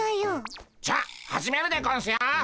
じゃあ始めるでゴンスよ！